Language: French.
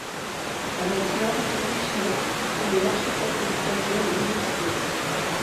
Avec Johann Friedrich Nette, il est l'architecte du Château de Ludwigsbourg.